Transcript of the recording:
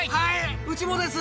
うちもです。